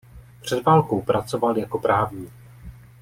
Před válkou pracoval jako právník.